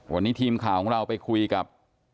วันนี้ทีมข่าวของเราไปคุยกับ